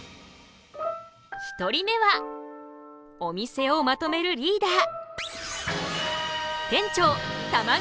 １人目はお店をまとめるリーダー。